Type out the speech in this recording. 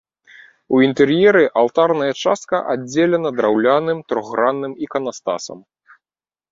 У інтэр'еры алтарная частка аддзелена драўляным трохгранным іканастасам.